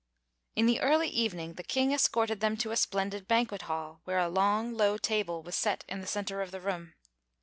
In the early evening the King escorted them to a splendid banquet hall, where a long, low table was set in the center of the room.